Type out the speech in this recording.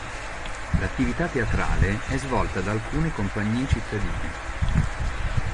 L'attività teatrale è svolta da alcune compagnie cittadine.